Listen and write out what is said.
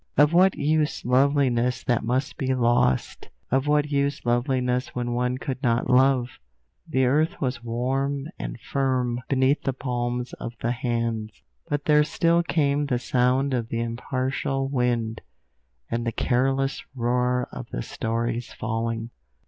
Of what use loveliness that must be lost; of what use loveliness when one could not love? The earth was warm and firm beneath the palms of the hands; but there still came the sound of the impartial wind, and the careless roar of the stories falling.